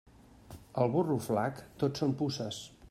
Al burro flac, tot són puces.